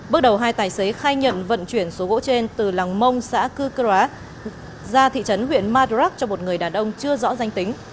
bước đầu hai tài xế khai nhận vận chuyển số gỗ trên từ làng mông xã cư cơ ra thị trấn huyện madrak cho một người đàn ông chưa rõ danh tính